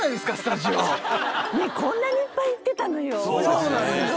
こんなにいっぱい行ってたのよ。